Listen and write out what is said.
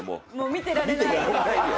見てられないよ。